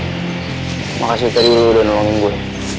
terima kasih tadi lu udah nolongin gue